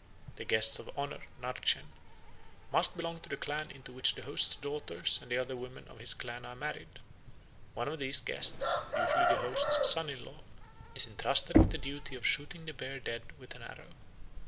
The guests of honour (Narch en) must belong to the clan into which the host's daughters and the other women of his clan are married: one of these guests, usually the host's son in law, is entrusted with the duty of shooting the bear dead with an arrow.